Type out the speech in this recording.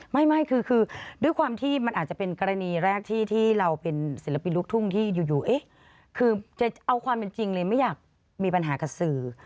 ไม่คือด้วยความที่มันอาจจะเป็นกรณีแรกที่เราเป็นศิลปินลูกทุ่งที่อยู่เอ๊ะคือจะเอาความเป็นจริงเลยไม่อยากมีปัญหากับสื่อ